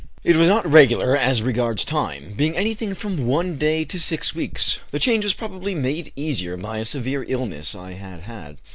(It was not regular as regards time, being anything from one day to six weeks.) The change was probably made easier by a severe illness I had had.